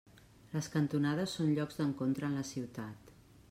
Les cantonades són llocs d'encontre en la ciutat.